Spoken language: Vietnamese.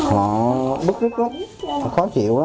họ bứt rứt rứt họ khó chịu đó